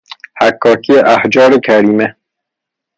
حکاکی احجار کریمه